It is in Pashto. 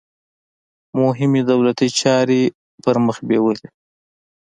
مهمې دولتي چارې پرمخ بیولې.